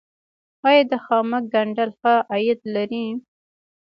آیا د خامک ګنډل ښه عاید لري؟